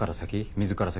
水から先？